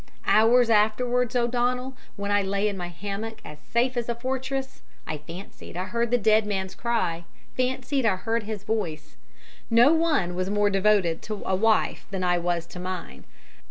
Hours afterwards, O'Donnell, when I lay in my hammock as safe as a fortress, I fancied I heard the dead man's cry, fancied I heard his curse. No one was more devoted to a wife than I was to mine.